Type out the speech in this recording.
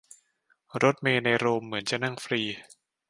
รถเมล์ในโรมเหมือนจะนั่งฟรี